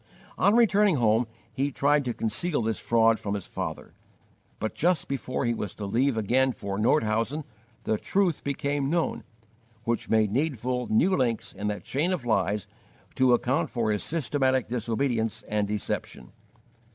On returning home he tried to conceal this fraud from his father; but just before he was to leave again for Nordhausen the truth became known, which made needful new links in that chain of lies to account for his systematic disobedience and deception.